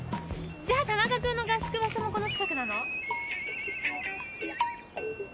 じゃあ田中君の合宿場所もこの近くなの？